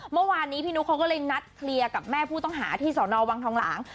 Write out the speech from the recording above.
เมื่อวานนี้พี่นุ๊กเขาก็เลยนัดเคลียร์กับแม่ผู้ต้องหาที่สอนอวังทองหลาง